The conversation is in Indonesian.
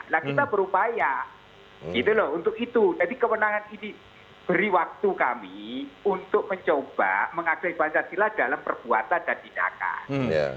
nah kita berupaya gitu loh untuk itu jadi kewenangan ini beri waktu kami untuk mencoba mengakses pancasila dalam perbuatan dan tindakan